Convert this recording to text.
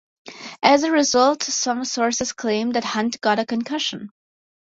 As a result, some sources claim that Hunt got a concussion.